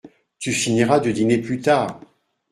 Tu finiras de dîner plus tard !